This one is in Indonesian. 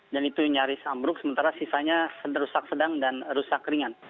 dan itu nyaris amruk sementara sisanya rusak sedang dan rusak ringan